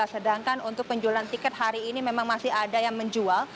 sedangkan untuk penjualan tiket hari ini memang masih ada yang menjual